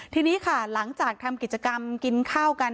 ทีนี้ค่ะหลังจากทำกิจกรรมกินข้าวกัน